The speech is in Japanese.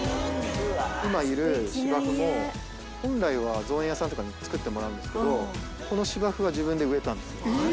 今いる芝生も、本来は造園屋さんとかに造ってもらうんですけど、この芝生は自分植えた？